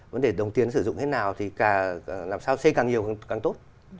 vấn đề đồng tiền sử dụng thế nào thì càng làm sao xây càng nhiều càng tốt